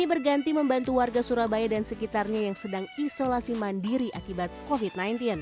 ini berganti membantu warga surabaya dan sekitarnya yang sedang isolasi mandiri akibat covid sembilan belas